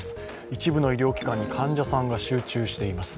一部の医療機関に患者さんが集中しています。